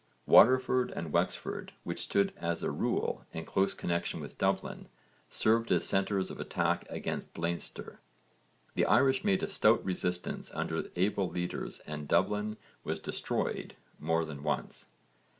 Waterford and Wexford, which stood as a rule in close connexion with Dublin, served as centres of attack against Leinster. The Irish made a stout resistance under able leaders and Dublin was 'destroyed' more than once.